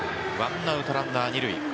ワンアウトランナー２塁。